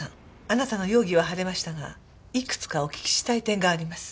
あなたの容疑は晴れましたがいくつかお聞きしたい点があります。